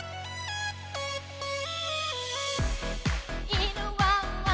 いぬワンワン